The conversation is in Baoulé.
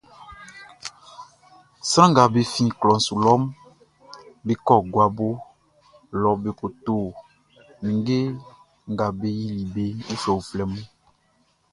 Sran nga be fin klɔʼn su lɔʼn, be kɔ guabo lɔ be ko to ninnge nga be yili be uflɛuflɛʼn.